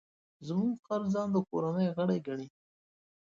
زموږ خر ځان د کورنۍ غړی ګڼي.